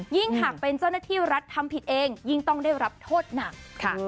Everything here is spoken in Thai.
ยิ่งหากเป็นเจ้าหน้าที่รัฐทำผิดเองยิ่งต้องได้รับโทษหนัก